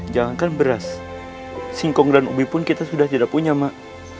jangankan beras singkong dan ubi pun kita sudah tidak punya mak